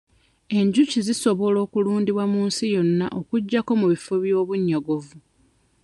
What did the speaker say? Enjuki zisobola okulundibwa mu nsi yonna okuggyako mu bifo eby'obunnyogovu.